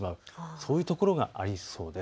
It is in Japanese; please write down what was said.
そういうところがありそうです。